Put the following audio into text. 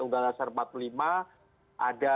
undang dasar empat puluh lima ada